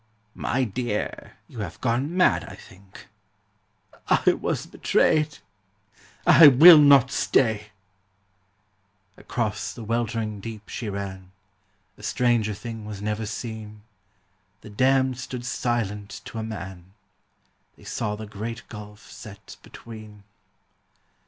'My dear, you have gone mad, I think.' 'I was betrayed: I will not stay.' Across the weltering deep she ran; A stranger thing was never seen: The damned stood silent to a man; They saw the great gulf set between.